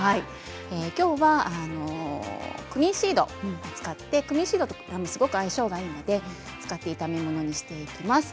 きょうはクミンシードを使ってクミンシードはすごく相性がいいので使って炒め物にしていきます。